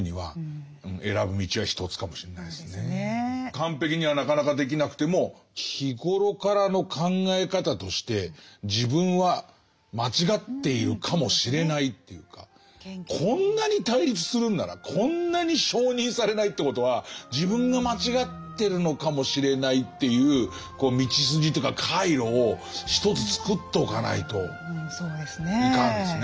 完璧にはなかなかできなくても日ごろからの考え方として自分は間違っているかもしれないというかこんなに対立するんならこんなに承認されないということは自分が間違ってるのかもしれないという道筋というか回路を一つ作っておかないといかんですね。